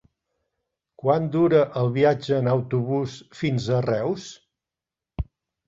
Quant dura el viatge en autobús fins a Reus?